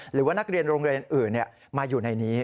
หรือว่านักเรียนโรงเรียนอื่นมาอยู่ในนี้